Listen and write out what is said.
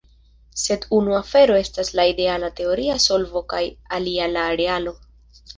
Sed unu afero estas la ideala teoria solvo kaj alia la realo.